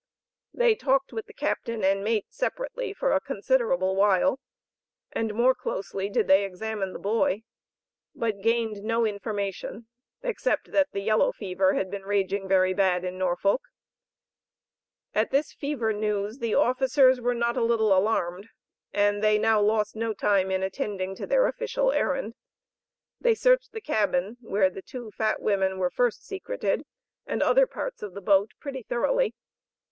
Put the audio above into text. They talked with the Captain and mate separately for a considerable while, and more closely did they examine the boy, but gained no information except that "the yellow fever had been raging very bad in Norfolk." At this fever news the officers were not a little alarmed, and they now lost no time in attending to their official errand. They searched the cabin where the two fat women were first secreted, and other parts of the boat pretty thoroughly.